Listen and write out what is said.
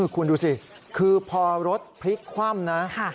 คุณดูสิคือพอรถพลิกคว่ำนะ